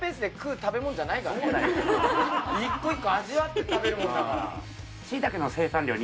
一個一個味わって食べるもんだから。